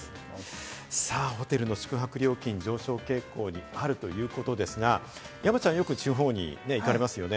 ホテルの宿泊料金、上昇傾向にあるということですが、山ちゃんは地方によく行かれますよね？